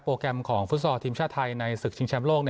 แกรมของฟุตซอลทีมชาติไทยในศึกชิงแชมป์โลก